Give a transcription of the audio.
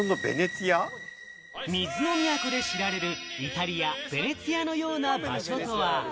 水の都で知られるイタリア・ヴェネツィアのような場所とは？